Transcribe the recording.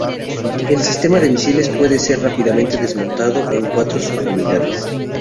El sistema de misiles puede ser rápidamente desmontado en cuatro subunidades.